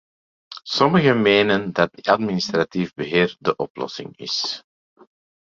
Sommigen menen dat administratief beheer de oplossing is.